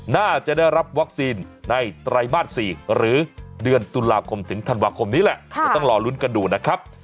น่าจะได้รับวัคซีนในไตรมาส๔หรือเดือนตุลาคมถึงธันวาคมนี้แหละเดี๋ยวต้องรอลุ้นกันดูนะครับ